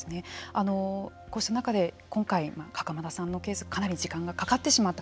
こうした中で今回、袴田さんのケースかなり時間がかかってしまった。